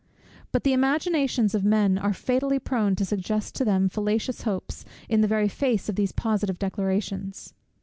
But the imaginations of men are fatally prone to suggest to them fallacious hopes in the very face of these positive declarations.